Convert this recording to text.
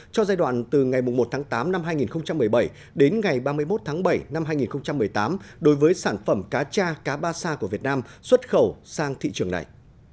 cho giai đoạn từ ngày một tháng tám năm hai nghìn một mươi bảy đến ngày ba mươi một tháng bảy năm hai nghìn một mươi tám đối với sản phẩm cá cha cá ba sa của việt nam xuất khẩu sang thị trường này